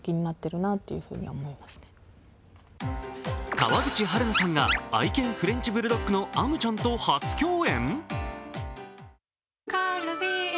川口春奈さんが愛犬フレンチブルドッグのアムちゃんと初共演？